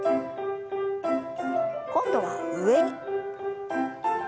今度は上。